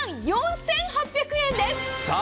１万４８００円です！